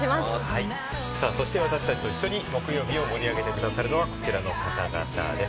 そして私達と一緒に木曜日を盛り上げて下さるのは、こちらの方々です。